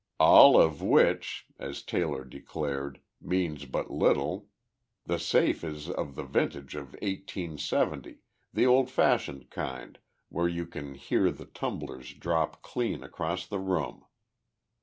"All of which," as Taylor declared, "means but little. The safe is of the vintage of eighteen seventy, the old fashioned kind where you can hear the tumblers drop clean across the room.